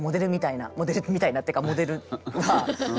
モデルみたいなっていうかモデルが。